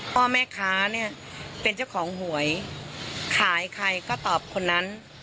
พ่อแม่ค้าเนี่ยเป็นเจ้าของหวยขายใครก็ตอบคนนั้น